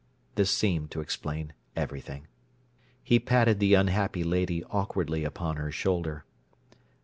This seemed to explain everything. He patted the unhappy lady awkwardly upon her shoulder.